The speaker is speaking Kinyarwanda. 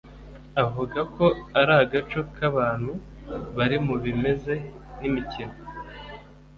avuga ko ari agaco k’abantu bari mu bimeze nk’imikino